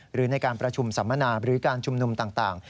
หรือในการประชุมสัมมนาหรือการชุมนุมต่าง